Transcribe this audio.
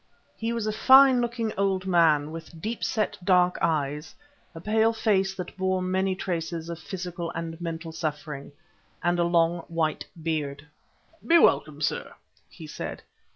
He was a fine looking old man, with deep set dark eyes, a pale face that bore many traces of physical and mental suffering, and a long white beard. "Be welcome, sir," he said.